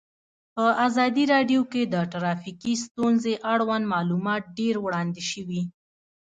په ازادي راډیو کې د ټرافیکي ستونزې اړوند معلومات ډېر وړاندې شوي.